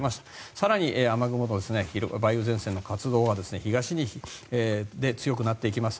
更に、雨雲と梅雨前線の活動は東に強くなっていきます。